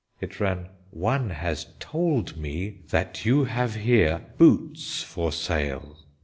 It ran: "One has told me that you have here boots for sale."